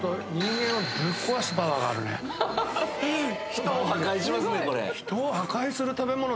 人を破壊しますね。